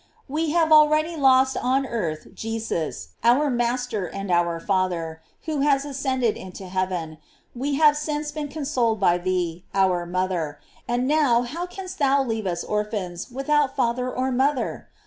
We hare already lost on earth Jesus, our master and our Father, who has ascended into heaven; we have since been consoled by thee, our moth er; and now how canst thou leave us orphans, without father or mother